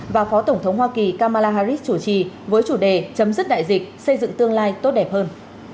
và phó tổng thống hoa kỳ kamala harris chủ trì với chủ đề chấm dứt đại dịch xây dựng tương lai tốt đẹp hơn